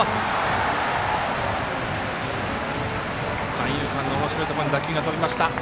三遊間のおもしろいところに打球が飛びました。